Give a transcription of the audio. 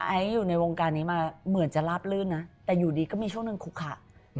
อยู่ในวงการนี้มาเหมือนจะลาบลื่นนะแต่อยู่ดีก็มีช่วงหนึ่งคุกค่ะ